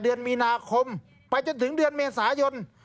เดือนมีนาคมไปจนถึงเดือนเมษายน